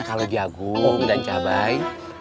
kalau jagung dan cabai